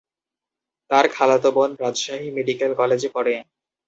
তার খালাতো বোন রাজশাহী মেডিকেল কলেজে পড়ে।